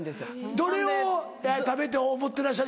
どれを食べて思ってらっしゃる？